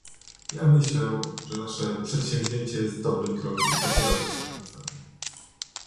Ja myślę, że nasze przedsięwzięcie jest dobrym krokiem i popieram to sprawozdanie